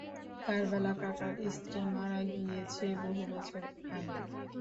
কারবালা কাকার স্ত্রী মারা গিয়েছে বহু বছর আগে।